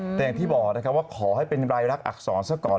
แต่อย่างที่บอกนะครับว่าขอให้เป็นรายลักษณอักษรซะก่อน